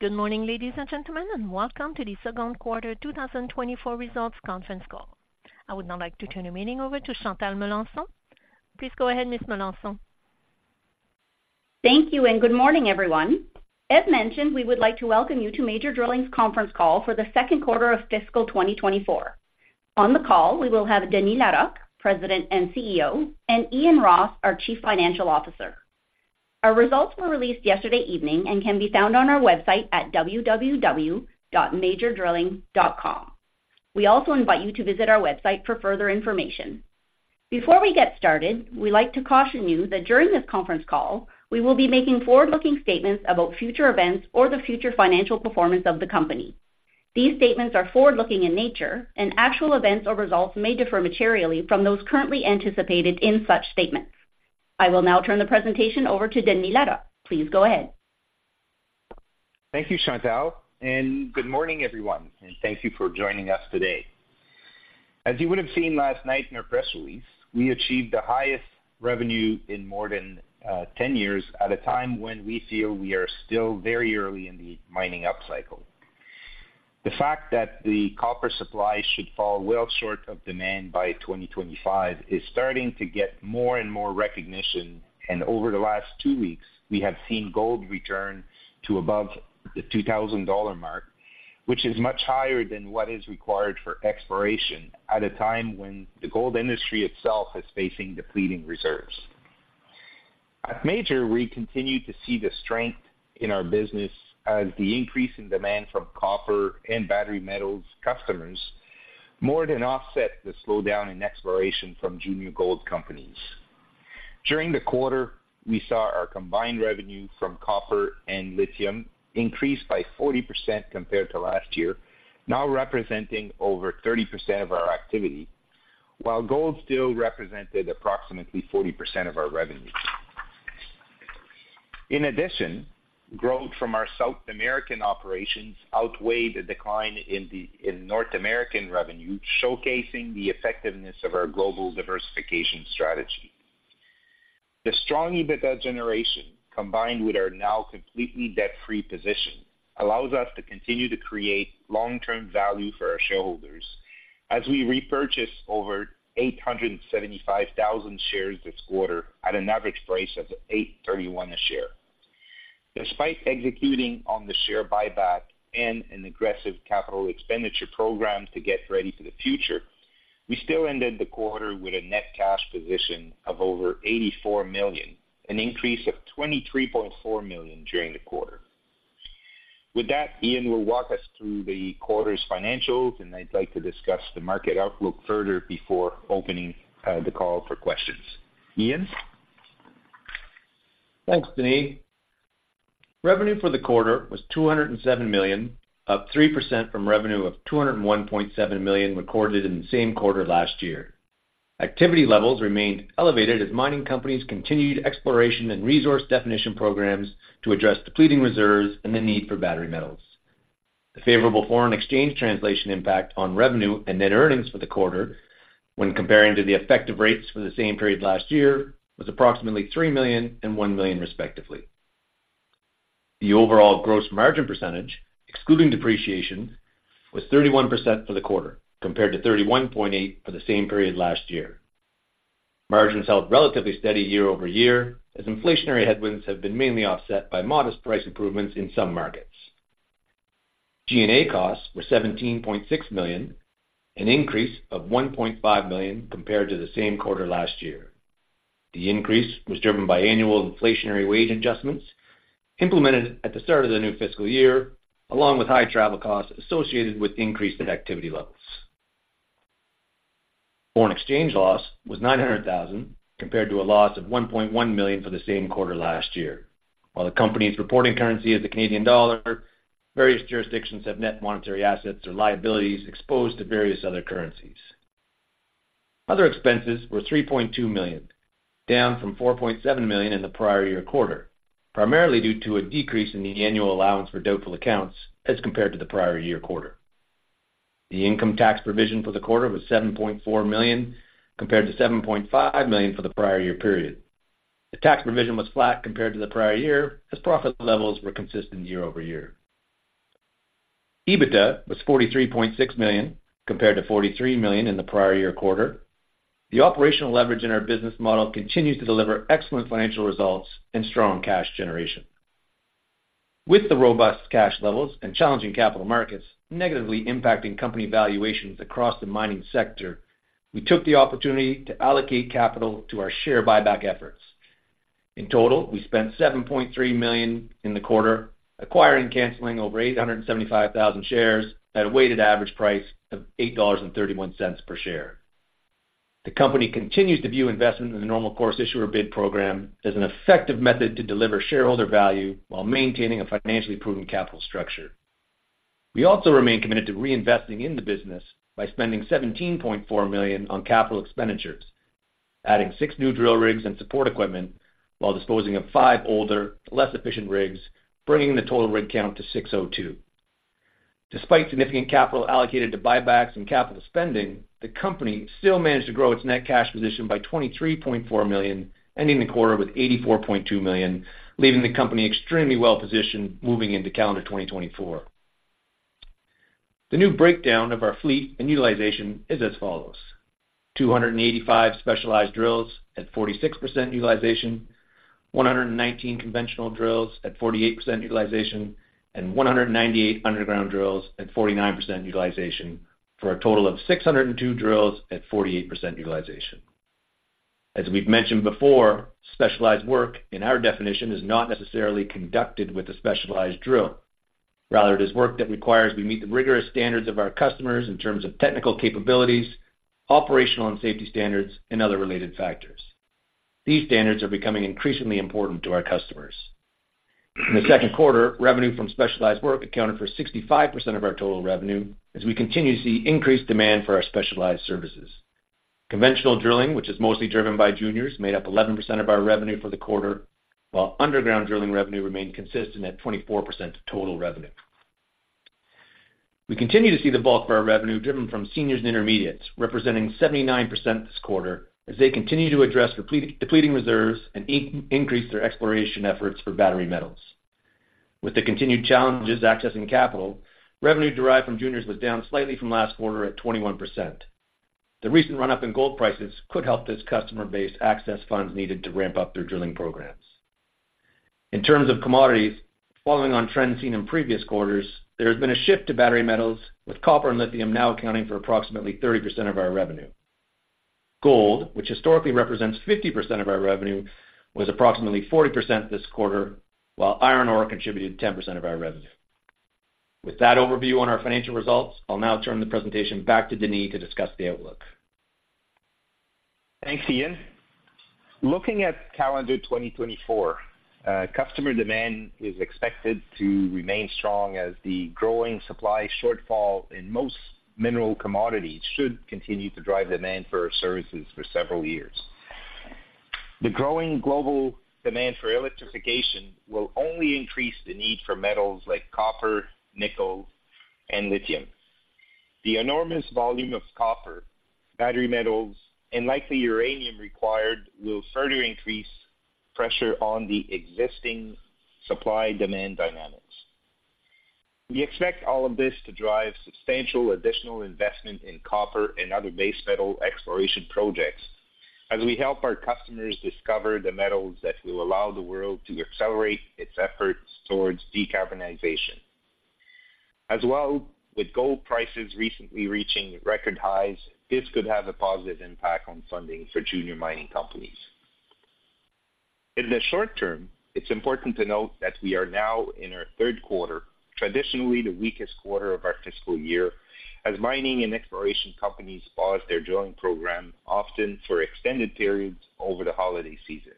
Good morning, ladies and gentlemen, and welcome to the Second Quarter 2024 Results Conference Call. I would now like to turn the meeting over to Chantal Melanson. Please go ahead, Ms. Melanson. Thank you, and good morning, everyone. As mentioned, we would like to welcome you to Major Drilling's conference call for the second quarter of fiscal 2024. On the call, we will have Denis Larocque, President and CEO, and Ian Ross, our Chief Financial Officer. Our results were released yesterday evening and can be found on our website at www.majordrilling.com. We also invite you to visit our website for further information. Before we get started, we'd like to caution you that during this conference call, we will be making forward-looking statements about future events or the future financial performance of the company. These statements are forward-looking in nature, and actual events or results may differ materially from those currently anticipated in such statements. I will now turn the presentation over to Denis Larocque. Please go ahead. Thank you, Chantal, and good morning, everyone, and thank you for joining us today. As you would have seen last night in our press release, we achieved the highest revenue in more than 10 years at a time when we feel we are still very early in the mining upcycle. The fact that the copper supply should fall well short of demand by 2025 is starting to get more and more recognition, and over the last two weeks, we have seen gold return to above the $2,000 mark, which is much higher than what is required for exploration at a time when the gold industry itself is facing depleting reserves. At Major, we continue to see the strength in our business as the increase in demand from copper and battery metals customers more than offset the slowdown in exploration from junior gold companies. During the quarter, we saw our combined revenue from copper and lithium increase by 40% compared to last year, now representing over 30% of our activity, while gold still represented approximately 40% of our revenue. In addition, growth from our South American operations outweighed the decline in North American revenue, showcasing the effectiveness of our global diversification strategy. The strong EBITDA generation, combined with our now completely debt-free position, allows us to continue to create long-term value for our shareholders as we repurchased over 875,000 shares this quarter at an average price of 8.31 a share. Despite executing on the share buyback and an aggressive capital expenditure program to get ready for the future, we still ended the quarter with a net cash position of over 84 million, an increase of 23.4 million during the quarter. With that, Ian will walk us through the quarter's financials, and I'd like to discuss the market outlook further before opening the call for questions. Ian? Thanks, Denis. Revenue for the quarter was 207 million, up 3% from revenue of 201.7 million recorded in the same quarter last year. Activity levels remained elevated as mining companies continued exploration and resource definition programs to address depleting reserves and the need for battery metals. The favorable foreign exchange translation impact on revenue and net earnings for the quarter, when comparing to the effective rates for the same period last year, was approximately 3 million and 1 million, respectively. The overall gross margin percentage, excluding depreciation, was 31% for the quarter, compared to 31.8% for the same period last year. Margins held relatively steady year-over-year, as inflationary headwinds have been mainly offset by modest price improvements in some markets. G&A costs were CAD 17.6 million, an increase of CAD 1.5 million compared to the same quarter last year. The increase was driven by annual inflationary wage adjustments implemented at the start of the new fiscal year, along with high travel costs associated with increased activity levels. Foreign exchange loss was 900,000, compared to a loss of 1.1 million for the same quarter last year. While the company's reporting currency is the Canadian dollar, various jurisdictions have net monetary assets or liabilities exposed to various other currencies. Other expenses were 3.2 million, down from 4.7 million in the prior year quarter, primarily due to a decrease in the annual allowance for doubtful accounts as compared to the prior year quarter. The income tax provision for the quarter was 7.4 million, compared to 7.5 million for the prior year period. The tax provision was flat compared to the prior year, as profit levels were consistent year-over-year. EBITDA was 43.6 million, compared to 43 million in the prior year quarter. The operational leverage in our business model continues to deliver excellent financial results and strong cash generation. With the robust cash levels and challenging capital markets negatively impacting company valuations across the mining sector, we took the opportunity to allocate capital to our share buyback efforts. In total, we spent 7.3 million in the quarter, acquiring and canceling over 875,000 shares at a weighted average price of 8.31 dollars per share. The company continues to view investment in the normal course issuer bid program as an effective method to deliver shareholder value while maintaining a financially proven capital structure. We also remain committed to reinvesting in the business by spending CAD 17.4 million on capital expenditures, adding 6 new drill rigs and support equipment, while disposing of five older, less efficient rigs, bringing the total rig count to 602. Despite significant capital allocated to buybacks and capital spending, the company still managed to grow its net cash position by 23.4 million, ending the quarter with 84.2 million, leaving the company extremely well-positioned moving into calendar 2024. The new breakdown of our fleet and utilization is as follows: 285 specialized drills at 46% utilization, 119 conventional drills at 48% utilization, and 198 underground drills at 49% utilization, for a total of 602 drills at 48% utilization. As we've mentioned before, specialized work, in our definition, is not necessarily conducted with a specialized drill. Rather, it is work that requires we meet the rigorous standards of our customers in terms of technical capabilities, operational and safety standards, and other related factors. These standards are becoming increasingly important to our customers. In the second quarter, revenue from specialized work accounted for 65% of our total revenue, as we continue to see increased demand for our specialized services. Conventional drilling, which is mostly driven by juniors, made up 11% of our revenue for the quarter, while underground drilling revenue remained consistent at 24% of total revenue. We continue to see the bulk of our revenue driven from seniors and intermediates, representing 79% this quarter, as they continue to address depleting reserves and increase their exploration efforts for battery metals. With the continued challenges accessing capital, revenue derived from juniors was down slightly from last quarter at 21%. The recent run-up in gold prices could help this customer base access funds needed to ramp up their drilling programs. In terms of commodities, following on trends seen in previous quarters, there has been a shift to battery metals, with copper and lithium now accounting for approximately 30% of our revenue. Gold, which historically represents 50% of our revenue, was approximately 40% this quarter, while iron ore contributed 10% of our revenue. With that overview on our financial results, I'll now turn the presentation back to Denis to discuss the outlook. Thanks, Ian. Looking at calendar 2024, customer demand is expected to remain strong as the growing supply shortfall in most mineral commodities should continue to drive demand for our services for several years. The growing global demand for electrification will only increase the need for metals like copper, nickel and lithium. The enormous volume of copper, battery metals, and likely uranium required, will further increase pressure on the existing supply-demand dynamics. We expect all of this to drive substantial additional investment in copper and other base metal exploration projects, as we help our customers discover the metals that will allow the world to accelerate its efforts towards decarbonization. As well, with gold prices recently reaching record highs, this could have a positive impact on funding for junior mining companies. In the short term, it's important to note that we are now in our third quarter, traditionally the weakest quarter of our fiscal year, as mining and exploration companies pause their drilling program, often for extended periods over the holiday season.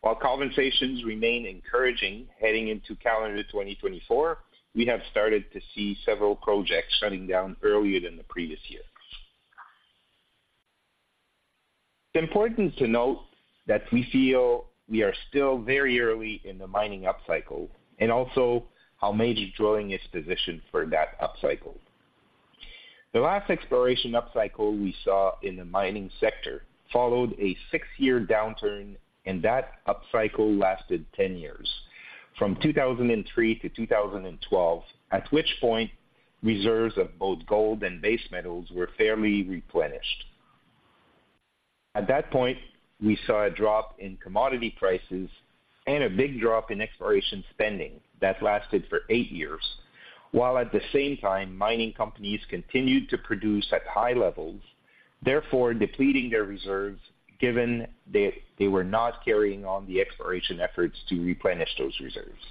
While conversations remain encouraging heading into calendar 2024, we have started to see several projects shutting down earlier than the previous year. It's important to note that we feel we are still very early in the mining upcycle, and also how Major Drilling is positioned for that upcycle. The last exploration upcycle we saw in the mining sector followed a 6-year downturn, and that upcycle lasted 10 years, from 2003 to 2012, at which point, reserves of both gold and base metals were fairly replenished. At that point, we saw a drop in commodity prices and a big drop in exploration spending that lasted for 8 years, while at the same time, mining companies continued to produce at high levels, therefore depleting their reserves, given they were not carrying on the exploration efforts to replenish those reserves.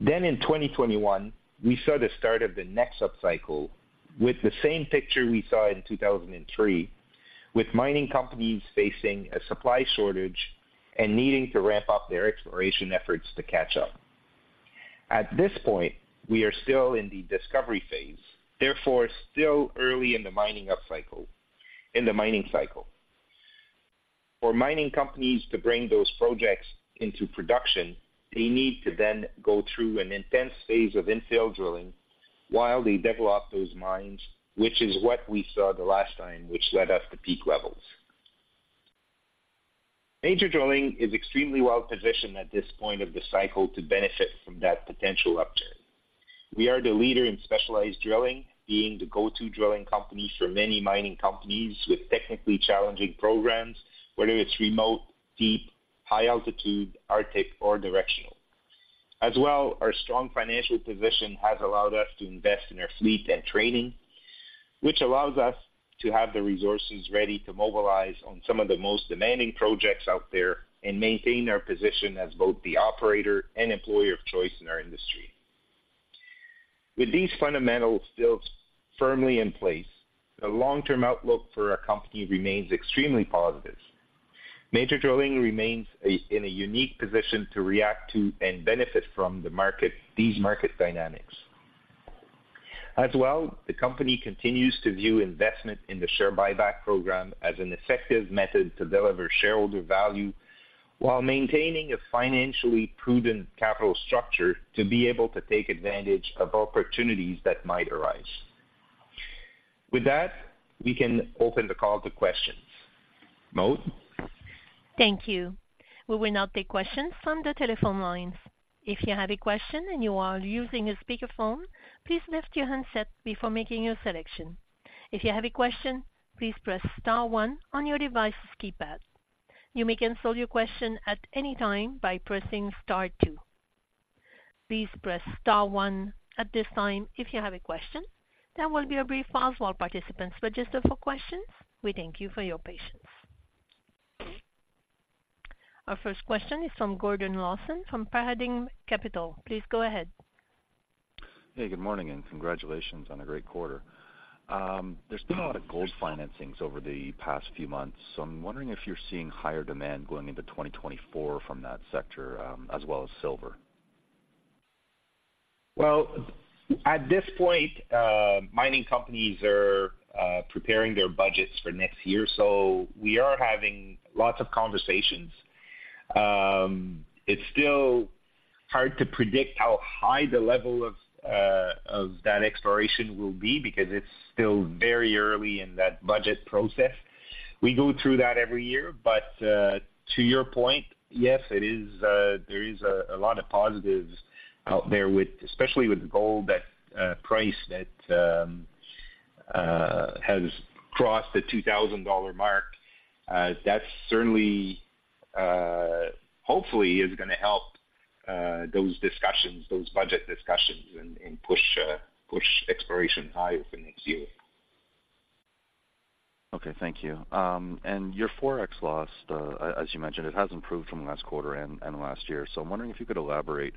Then in 2021, we saw the start of the next upcycle with the same picture we saw in 2003, with mining companies facing a supply shortage and needing to ramp up their exploration efforts to catch up. At this point, we are still in the discovery phase, therefore still early in the mining upcycle, in the mining cycle. For mining companies to bring those projects into production, they need to then go through an intense phase of infill drilling while they develop those mines, which is what we saw the last time, which led us to peak levels. Major Drilling is extremely well positioned at this point of the cycle to benefit from that potential upturn. We are the leader in specialized drilling, being the go-to drilling company for many mining companies with technically challenging programs, whether it's remote, deep, high altitude, Arctic, or directional. As well, our strong financial position has allowed us to invest in our fleet and training, which allows us to have the resources ready to mobilize on some of the most demanding projects out there and maintain our position as both the operator and employer of choice in our industry. With these fundamentals built firmly in place, the long-term outlook for our company remains extremely positive. Major Drilling remains in a unique position to react to and benefit from the market, these market dynamics. As well, the company continues to view investment in the share buyback program as an effective method to deliver shareholder value, while maintaining a financially prudent capital structure, to be able to take advantage of opportunities that might arise. With that, we can open the call to questions. Maude? Thank you. We will now take questions from the telephone lines. If you have a question and you are using a speakerphone, please mute your handset before making your selection. If you have a question, please press star one on your device's keypad. You may cancel your question at any time by pressing star two. Please press star one at this time if you have a question. There will be a brief pause while participants register for questions. We thank you for your patience. Our first question is from Gordon Lawson from Paradigm Capital. Please go ahead. Hey, good morning, and congratulations on a great quarter. There's been a lot of gold financings over the past few months, so I'm wondering if you're seeing higher demand going into 2024 from that sector, as well as silver? Well, at this point, mining companies are preparing their budgets for next year, so we are having lots of conversations. It's still hard to predict how high the level of that exploration will be, because it's still very early in that budget process. We go through that every year, but to your point, yes, it is, there is a lot of positives out there with... Especially with gold, that price that has crossed the $2,000 mark. That certainly, hopefully is gonna help those discussions, those budget discussions, and push exploration higher for next year. Okay, thank you. And your Forex loss, as you mentioned, it has improved from last quarter and last year. So I'm wondering if you could elaborate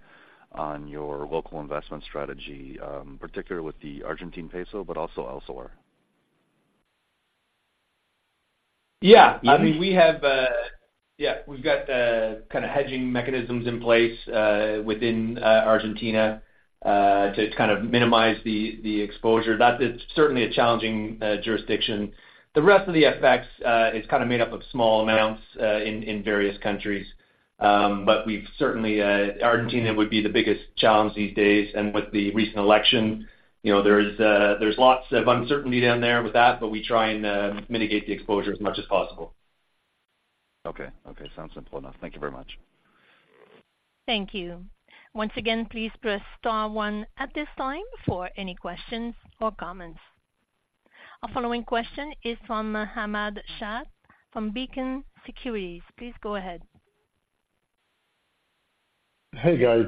on your local investment strategy, particularly with the Argentine peso, but also elsewhere. Yeah. I mean, we have, yeah, we've got, kind of hedging mechanisms in place, within, Argentina, to kind of minimize the, the exposure. That is certainly a challenging, jurisdiction. The rest of the effects, is kind of made up of small amounts, in, in various countries. But we've certainly, Argentina would be the biggest challenge these days. And with the recent election, you know, there is, there's lots of uncertainty down there with that, but we try and, mitigate the exposure as much as possible. Okay. Okay, sounds simple enough. Thank you very much. Thank you. Once again, please press star one at this time for any questions or comments. Our following question is from Ahmad Shaath from Beacon Securities. Please go ahead. Hey, guys,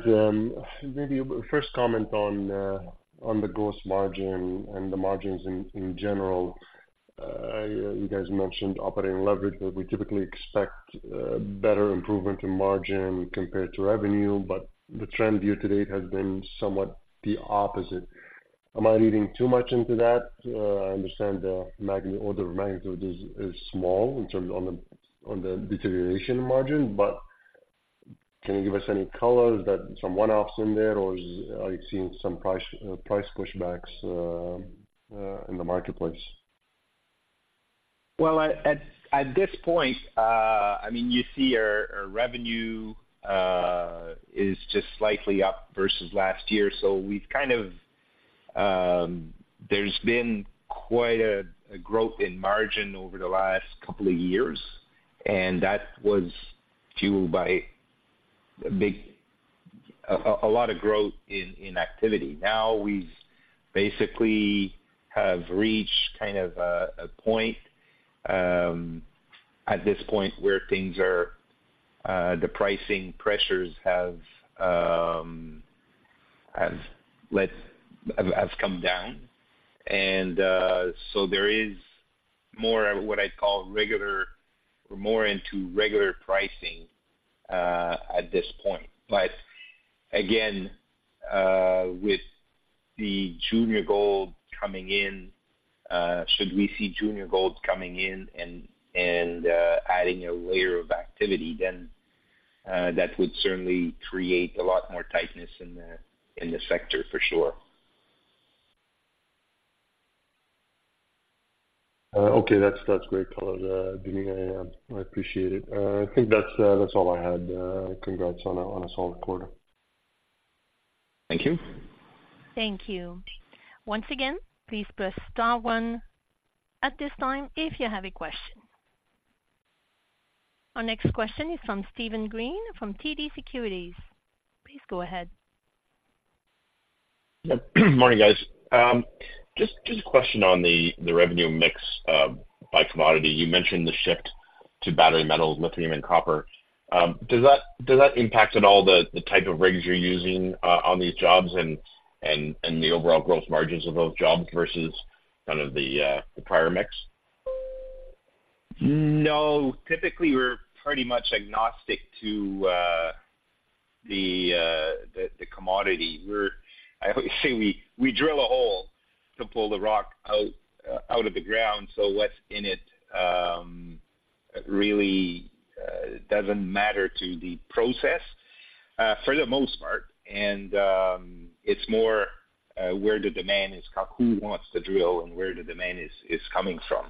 maybe first comment on the gross margin and the margins in general. You guys mentioned operating leverage, that we typically expect better improvement in margin compared to revenue, but the trend year-to-date has been somewhat the opposite. Am I reading too much into that? I understand the magnitude is small in terms of the deterioration margin, but can you give us any color? Is that some one-offs in there, or are you seeing some price pushbacks in the marketplace? Well, at this point, I mean, you see our revenue is just slightly up versus last year, so we've kind of. There's been quite a growth in margin over the last couple of years, and that was fueled by a big lot of growth in activity. Now, we basically have reached kind of a point at this point, where things are, the pricing pressures have come down. So there is more of what I'd call regular or more into regular pricing at this point. But again, with the junior gold coming in, should we see junior gold coming in and adding a layer of activity, then that would certainly create a lot more tightness in the sector for sure. Okay, that's, that's great color, Denis. I, I appreciate it. I think that's, that's all I had. Congrats on a, on a solid quarter. Thank you. Thank you. Once again, please press star one at this time if you have a question. Our next question is from Steven Green, from TD Securities. Please go ahead. Yeah, good morning, guys. Just, just a question on the revenue mix by commodity. You mentioned the shift to battery metals, lithium and copper. Does that, does that impact at all the type of rigs you're using on these jobs and, and, and the overall growth margins of those jobs versus kind of the prior mix? No. Typically, we're pretty much agnostic to the commodity. We're—I always say we drill a hole to pull the rock out of the ground, so what's in it. It really doesn't matter to the process for the most part, and it's more where the demand is, kind of, who wants to drill and where the demand is coming from.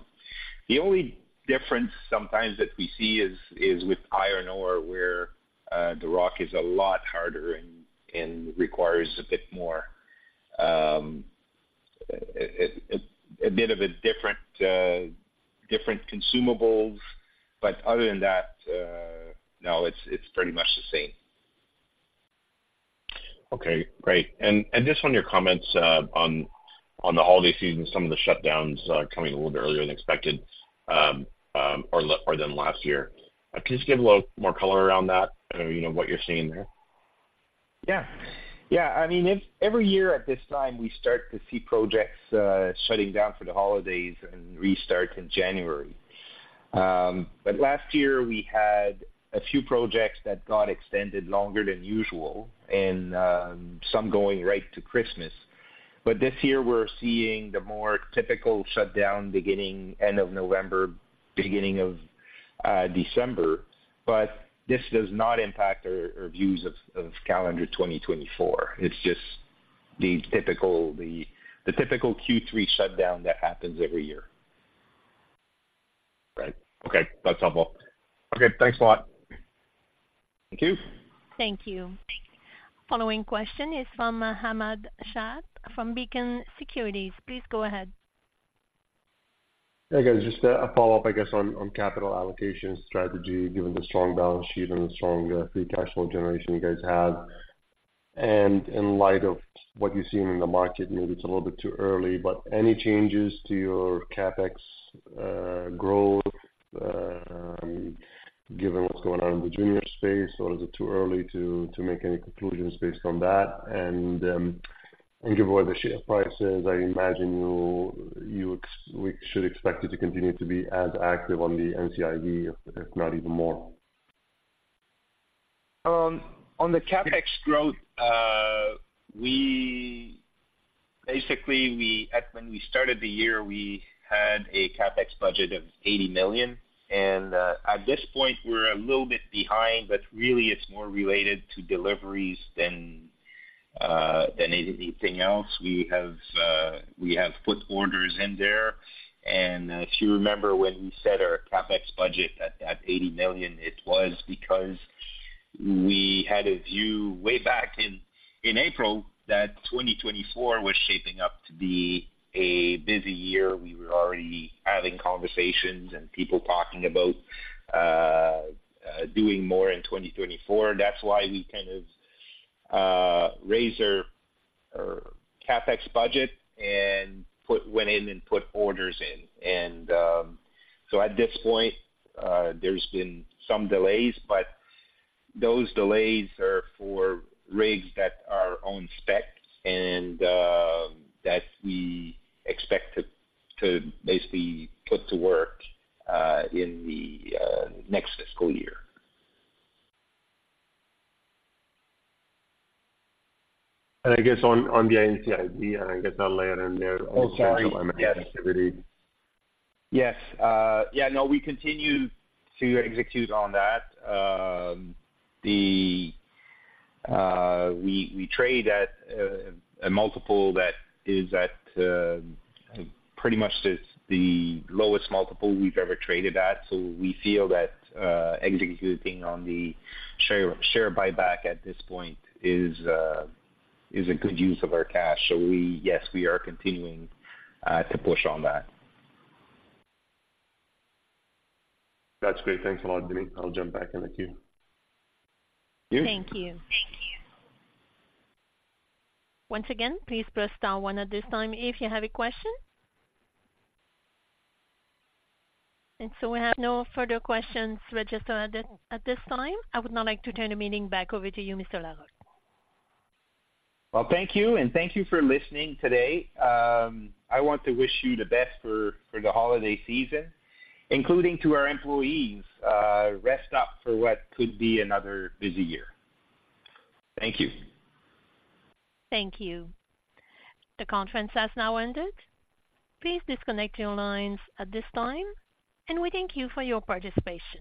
The only difference sometimes that we see is with iron ore, where the rock is a lot harder and requires a bit more, a bit of a different consumables. But other than that, no, it's pretty much the same. Okay, great. And just on your comments on the holiday season, some of the shutdowns coming a little bit earlier than expected, or than last year. Can you just give a little more color around that, and you know, what you're seeing there? Yeah. Yeah, I mean, if every year at this time we start to see projects shutting down for the holidays and restart in January. But last year we had a few projects that got extended longer than usual and some going right to Christmas. But this year we're seeing the more typical shutdown beginning end of November, beginning of December. But this does not impact our views of calendar 2024. It's just the typical Q3 shutdown that happens every year. Right. Okay, that's helpful. Okay, thanks a lot. Thank you. Thank you. Following question is from Hamad Shah, from Beacon Securities. Please go ahead. Hey, guys, just a follow-up, I guess, on capital allocation strategy, given the strong balance sheet and the strong free cash flow generation you guys have. In light of what you're seeing in the market, maybe it's a little bit too early, but any changes to your CapEx growth, given what's going on in the junior space? Or is it too early to make any conclusions based on that? Given where the share price is, I imagine you we should expect it to continue to be as active on the NCIB, if not even more. On the CapEx growth, basically, we, when we started the year, we had a CapEx budget of 80 million, and, at this point, we're a little bit behind, but really it's more related to deliveries than anything else. We have, we have put orders in there, and, if you remember when we set our CapEx budget at that 80 million, it was because we had a view way back in April, that 2024 was shaping up to be a busy year. We were already having conversations and people talking about doing more in 2024. That's why we kind of raised our CapEx budget and went in and put orders in. So at this point, there's been some delays, but those delays are for rigs that are on spec and that we expect to basically put to work in the next fiscal year. And I guess on the NCIB, I can get that layer in there- Oh, sorry. Yes. Activity. Yes. Yeah, no, we continue to execute on that. We trade at a multiple that is at pretty much the lowest multiple we've ever traded at. So we feel that executing on the share buyback at this point is a good use of our cash. So we... Yes, we are continuing to push on that. That's great. Thanks a lot, Denis. I'll jump back in the queue. Thank you. Thank you. Once again, please press star one at this time if you have a question. And so we have no further questions registered at this time. I would now like to turn the meeting back over to you, Mr. Larocque. Well, thank you, and thank you for listening today. I want to wish you the best for, for the holiday season, including to our employees. Rest up for what could be another busy year. Thank you. Thank you. The conference has now ended. Please disconnect your lines at this time, and we thank you for your participation.